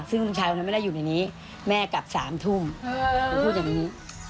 ซึ่งลูกชายคนนั้นไม่ได้อยู่ในนี้แม่กลับ๓ทุ่มหนูพูดอย่างนี้